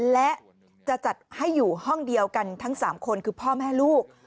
และจะจัดให้อยู่ห้องเดียวกันทั้ง๓คนคือพ่อแม่ลูก